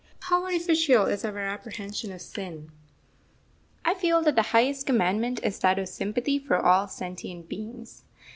How artificial is our apprehension of sin! I feel that the highest commandment is that of sympathy for all sentient beings.